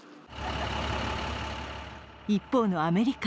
一方のアメリカ。